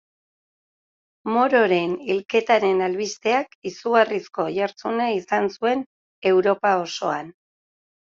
Mororen hilketaren albisteak izugarrizko oihartzuna izan zuen Europa osoan.